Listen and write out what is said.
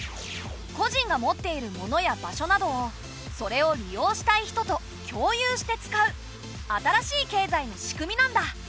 個人が持っている物や場所などをそれを利用したい人と共有して使う新しい経済の仕組みなんだ。